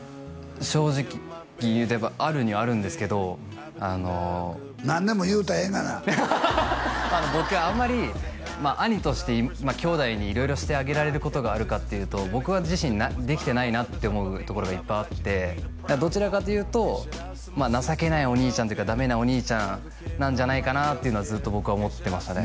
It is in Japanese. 正直言えばあるにはあるんですけど何でも言うたらええがなハハハハ僕あんまり兄として兄弟に色々してあげられることがあるかっていうと僕自身できてないなって思うところがいっぱいあってどちらかというと情けないお兄ちゃんというかダメなお兄ちゃんなんじゃないかなってずっと僕は思ってましたね